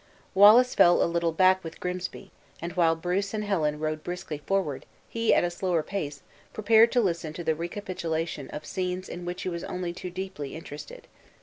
Wallace fell a little back with Grimsby; and while Bruce and Helen rode briskly forward, he, at a slower pace, prepared to listen to the recapitulation of scenes in which he was only too deeply interested.